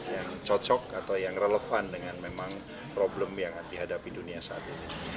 yang cocok atau yang relevan dengan memang problem yang dihadapi dunia saat ini